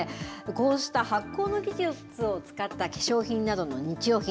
こうした発酵の技術を使った化粧品などの日用品。